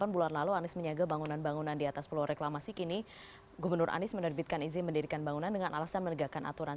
delapan bulan lalu anies menyegel bangunan bangunan di atas pulau reklamasi kini gubernur anies menerbitkan izin mendirikan bangunan dengan alasan menegakkan aturan